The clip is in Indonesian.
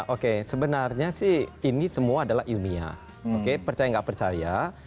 oke sebenarnya sih ini semua adalah ilmiah oke percaya nggak percaya